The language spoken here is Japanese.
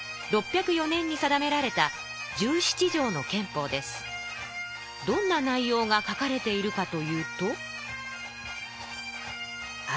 ６０４年に定められたどんな内容が書かれているかというと。